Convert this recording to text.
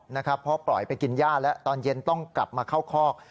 เพราะปล่อยไปกินย่าแล้วตอนเย็นต้องกลับมาเข้าคอก